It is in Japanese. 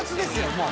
もう。